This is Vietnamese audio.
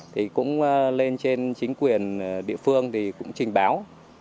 thì cũng lên trên chính quyền địa phương thì cũng trình báo